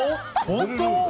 本当？